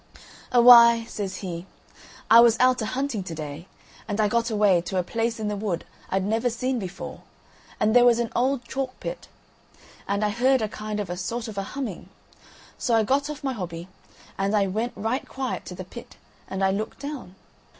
"A why," says he, "I was out a hunting to day, and I got away to a place in the wood I'd never seen before And there was an old chalk pit. And I heard a kind of a sort of a humming. So I got off my hobby, and I went right quiet to the pit, and I looked down.